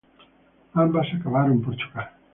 Ambas acabaron por chocar.